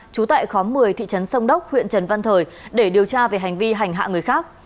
trú tại khóm một mươi thị trấn sông đốc huyện trần văn thời để điều tra về hành vi hành hạ người khác